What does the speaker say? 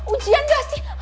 ujian gak sih